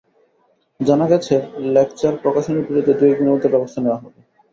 জানা গেছে, লেকচার প্রকাশনীর বিরুদ্ধে দু-এক দিনের মধ্যে ব্যবস্থা নেওয়া হবে।